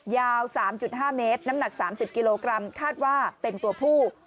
ยาว๓๕เมตรน้ำหนัก๓๐กิโลกรัมคาดว่าเป็นตัวผู้